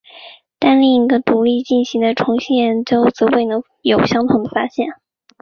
但另一个独立进行的重新研究则未能有相同的发现。